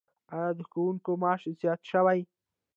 آیا د ښوونکو معاش زیات شوی؟